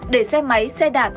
để xe máy xe đạp